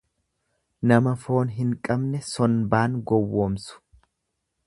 Nama foon hin beekne sonbaan gowwomsu.